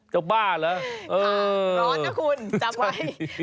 เจ้าบ้าเหรอเออใช่สิร้อนก็คุณจับไว้